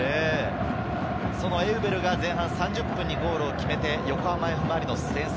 エウベルが前半３０分にゴールを決めて横浜Ｆ・マリノス先制。